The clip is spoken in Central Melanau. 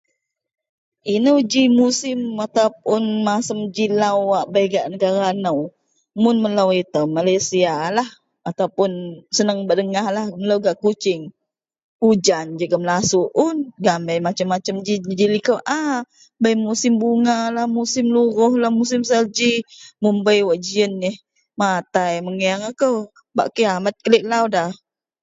Ino gi musim atau puon masem g lau wak bei gak negara nou. Mun melo ito. Malaysialah atau puon senang bak dengah. Melo gak Kuching ujan jegum lasuok un gaan bei ji gak liko a musim bungalah musim luruhlah musim salji mun bei wak geji matai mengeng melo bak kiamet dunia.